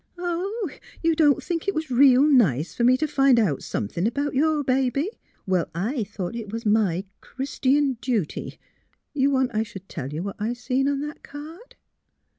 '' Oh, you don't think it was reel nice f'r me to find out somethin' about your baby'? Well, I 340 THE HEART OF PHILURA tliouglit it was my Clir r istian duty. You want I should tell you what I see on that card?